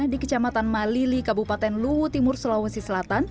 di kecamatan malili kabupaten luwu timur sulawesi selatan